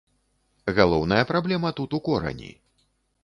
Галоўная праблема тут у корані.